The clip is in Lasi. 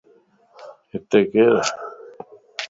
ھتي ڪير؟